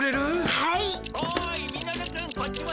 はい。